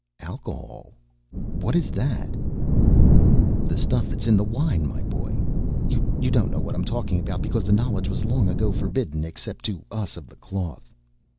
"Alcohol? What is that?" "The stuff that's in the wine, my boy. You don't know what I'm talking about because the knowledge was long ago forbidden except to us of the cloth.